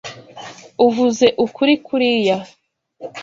Uvuze ukuri kuriya.